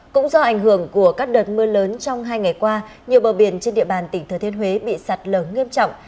cũng do ảnh hưởng của các đợt mưa lớn trong hai ngày qua nhiều bờ biển trên địa bàn tỉnh thừa thiên huế bị sạt lở nghiêm trọng